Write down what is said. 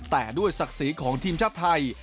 แต่ด้วยศักดิ์ศรีของทีมชาติไทย